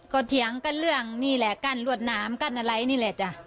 ก็เถียงกันเรื่องนี่แหละกั้นรวดน้ำกั้นอะไรนี่แหละจ้ะ